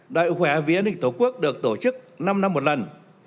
đội khỏe vnhtq được tổ chức năm năm một lần